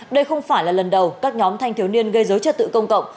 đây không phải là lần đầu các nhóm thanh thiếu niên gây giới chất tự công cộng